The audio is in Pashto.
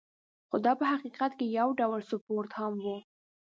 خو دا په حقیقت کې یو ډول سپورت هم و.